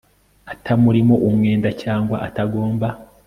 atamurimo umwenda cyangwa atagomba